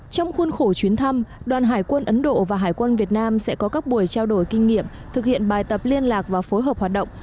trong khuôn khổ chuyến thăm đoàn hải quân ấn độ và hải quân việt nam sẽ có các buổi trao đổi kinh nghiệm thực hiện bài tập liên lạc và phối hợp hoạt động